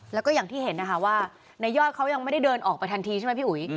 แล้วก็อย่างที่เห็นนะคะว่านายยอดเขายังไม่ได้เดินออกไปทันทีใช่ไหมพี่อุ๋ย